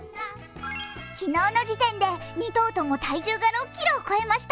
昨日の時点で、２頭とも体重が６ｋｇを超えました。